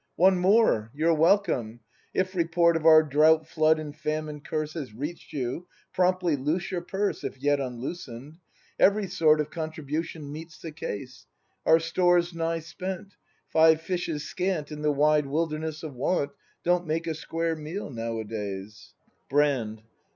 ] One more! You're welcome. If report Of our drought flood and famine curse Has reach'd you, promptly loose your purse (If yet unloosen'd). Every sort Of contribution meets the case. Our store's nigh spent. Five fishes scant In the wide wilderness of Want Don't make a square meal nowadays. Brand.